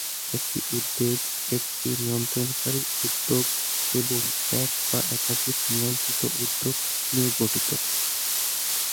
একটি উদ্বেগ একটি নিয়ন্ত্রণকারী উদ্যোগ এবং এক বা একাধিক নিয়ন্ত্রিত উদ্যোগ নিয়ে গঠিত।